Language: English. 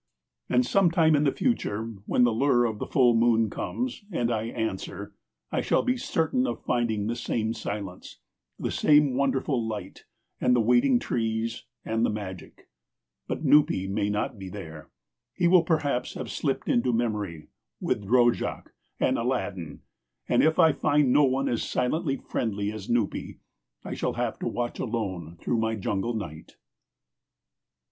And sometime in the future, when the lure of the full moon comes, and I answer, I shall be certain of finding the same silence, the same wonderful light, and the waiting trees and the magic. But Nupee may not be there. He will perhaps have slipped into memory, with Drojak and Aladdin. And if I find no one as silently friendly as Nupee, I shall have to watch alone through my jungle night.